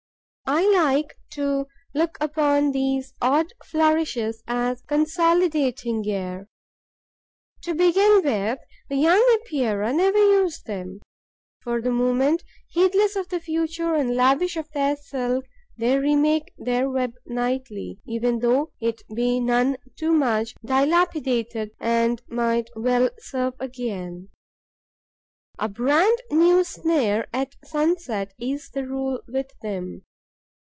I like to look upon these odd flourishes as consolidating gear. To begin with, the young Epeirae never use them. For the moment, heedless of the future and lavish of their silk, they remake their web nightly, even though it be none too much dilapidated and might well serve again. A brand new snare at sunset is the rule with them.